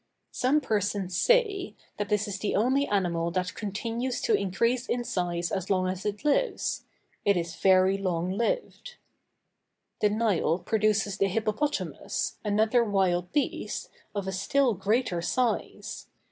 Some persons say, that this is the only animal that continues to increase in size as long as it lives; it is very long lived. The Nile produces the hippopotamus, another wild beast, of a still greater size.